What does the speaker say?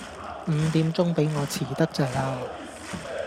五點鐘畀我遲得滯喇